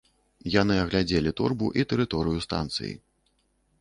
Яны аглядзелі торбу і тэрыторыю станцыі.